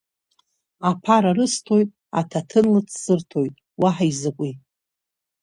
Аԥара рысҭоит, аҭаҭын лыҵ сырҭоит, уаҳа изакәи?